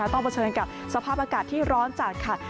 เผชิญกับสภาพอากาศที่ร้อนจัดค่ะ